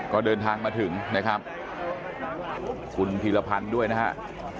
ก็เดินทางมาถึงนะครับคุณพีรพันธ์ด้วยนะครับ